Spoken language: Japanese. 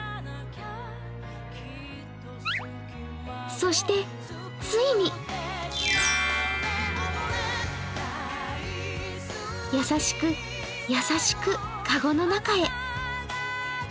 そして、ついに優しく、優しく、かごの中へ。